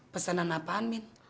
pesenan apaan mimin